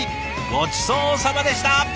ごちそうさまでした！